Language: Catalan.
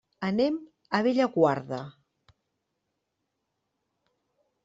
Anem a Bellaguarda.